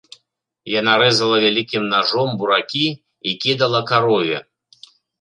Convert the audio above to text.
Яна рэзала вялікім нажом буракі і кідала карове.